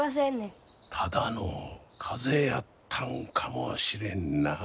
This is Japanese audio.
ただの風邪やったんかもしれんな。